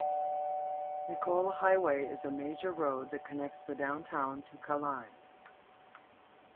Nicoll Highway is a major road that connects the downtown to Kallang.